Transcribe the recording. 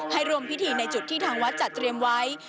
ให้ร่วมพิธีในจุดที่ทางวัดจัดเตรียมไว้